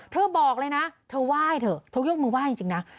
บอกเลยนะเธอไหว้เถอะเธอยกมือไหว้จริงนะ